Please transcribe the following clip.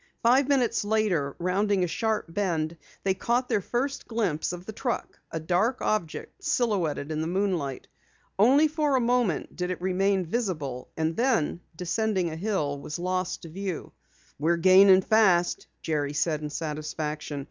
Five minutes later, rounding a sharp bend, they caught their first glimpse of the truck, a dark object silhouetted in the moonlight. Only for a moment did it remain visible, and then, descending a hill, was lost to view. "We're gaining fast," Jerry said in satisfaction.